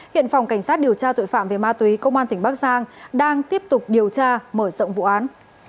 hiện phòng cảnh sát điều tra tội phạm về ma túy công an tỉnh bắc giang đang tiếp tục điều tra mở rộng vụ án